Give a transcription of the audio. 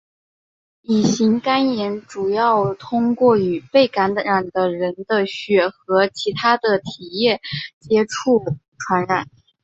乙型肝炎主要通过与被感染的人的血和其它体液的接触传染。